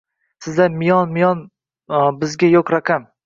Sizlar – milyon-milyon, bizga yo’q raqam